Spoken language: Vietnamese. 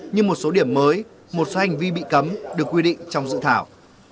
như một số điểm mới một số hành vi bị cấm được quy định trong dự thảo